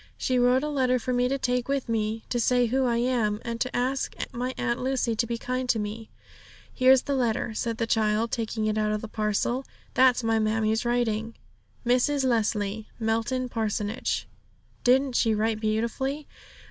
She wrote a letter for me to take with me, to say who I am, and to ask my Aunt Lucy to be kind to me. 'Here's the letter,' said the child, taking it out of the parcel; 'that's my mammie's writing. "MRS. LESLIE, Melton Parsonage." Didn't she write beautifully?'